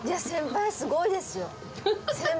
先輩すごいですよ。